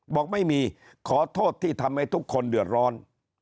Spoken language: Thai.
บอกไม่มีขอโทษที่ทำให้ทุกคนเดือดร้อน